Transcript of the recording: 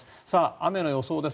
雨の予想です。